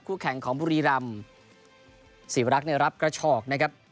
คู่แข่งของบุรีรัมศรีวรักษณ์รับกระชอกนะครับ